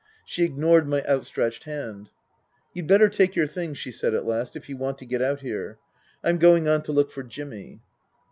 She ignored my outstretched hand. " You'd better take your things," she said at last, " if you want to get out here. I'm going on to look for Jimmy.